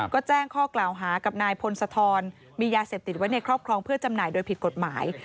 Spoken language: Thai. ก็แจ้งข้อกล่าวหากับนายพงศธรมียาเสพติดไว้ในครอบครองเพื่อจำหน่ายโดยผิดกฎหมาย